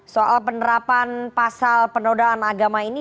soal penerapan pasal penodaan agama ini